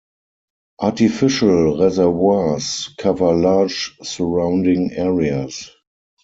Artificial reservoirs cover large surrounding areas.